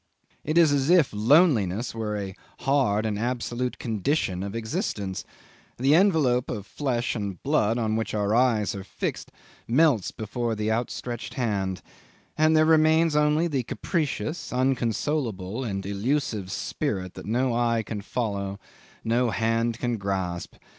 It is as if loneliness were a hard and absolute condition of existence; the envelope of flesh and blood on which our eyes are fixed melts before the outstretched hand, and there remains only the capricious, unconsolable, and elusive spirit that no eye can follow, no hand can grasp.